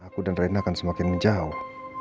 aku dan reina akan semakin jauh